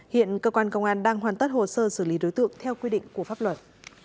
hiện cơ quan công an đang hoàn tất hồ sơ xử lý đối tượng theo quy định của pháp luật